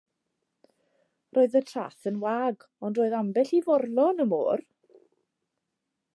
Roedd y traeth yn wag, ond roedd ambell i forlo yn y môr.